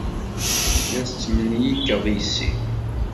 La tetmenyikeḍ yes-i?